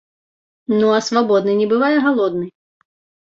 Ну а свабодны не бывае галодны.